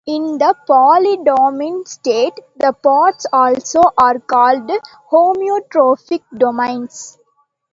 In the polydomain state, the parts also are called homeotropic domains.